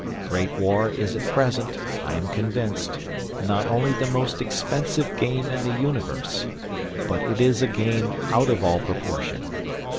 Great War is at present, I am convinced, not only the most expensive game in the universe, but it is a game out of all proportion.